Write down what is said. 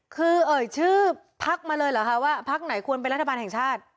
คือเอ่ยชื่อพักมาเลยเหรอคะว่าพักไหนควรเป็นรัฐบาลแห่งชาติ